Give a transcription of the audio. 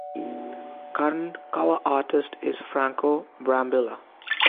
Current cover artist is Franco Brambilla.